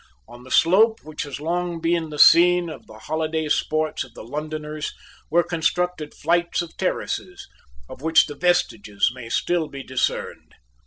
On the slope which has long been the scene of the holiday sports of the Londoners, were constructed flights of terraces, of which the vestiges may still be discerned.